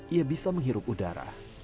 ia bisa menghirup udara